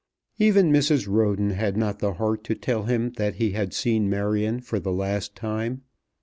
Even Mrs. Roden had not the heart to tell him that he had seen Marion for the last time.